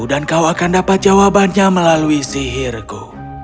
dan kau akan dapat jawabannya melalui sihirku